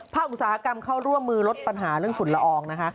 อุตสาหกรรมเข้าร่วมมือลดปัญหาเรื่องฝุ่นละอองนะคะ